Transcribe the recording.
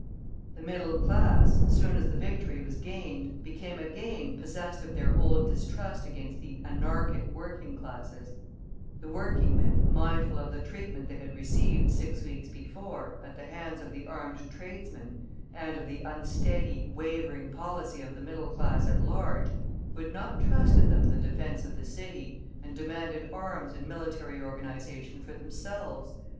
The middle class, as soon as the victory was gained, became again possessed of their old distrust against the "anarchic" working classes; the working men, mindful of the treatment they had received, six weeks before, at the hands of the armed tradesmen, and of the unsteady, wavering policy of the middle class at large, would not trust to them the defence of the city, and demanded arms and military organization for themselves.